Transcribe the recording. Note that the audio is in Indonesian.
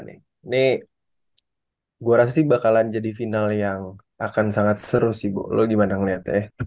ini gue rasa sih bakalan jadi final yang akan sangat seru sih bu lo gimana ngeliatnya